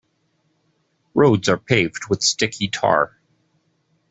Roads are paved with sticky tar.